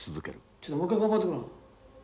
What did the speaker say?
ちょっともう一回頑張ってごらん。